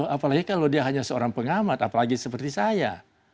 apalagi kalau dia hanya seorang pengamat apalagi seperti saya